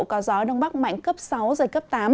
có gió đông bắc mạnh cấp sáu giật cấp tám